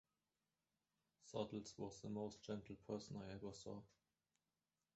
Suttles was the most gentle person I ever saw.